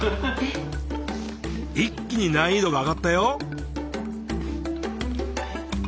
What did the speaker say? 一気に難易度が上がったよ。